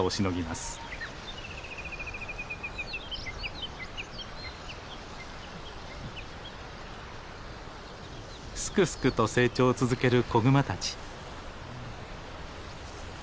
すくすくと成長を続ける子グマたち。